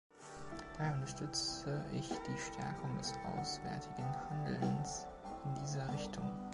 Daher unterstütze ich die Stärkung des auswärtigen Handelns in dieser Richtung.